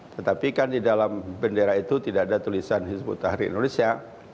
tetapi kan di dalam bendera itu tidak ada tulisan hizbut tahrir indonesia